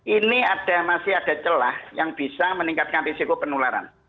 ini masih ada celah yang bisa meningkatkan risiko penularan